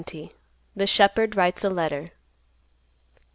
THE SHEPHERD WRITES A LETTER.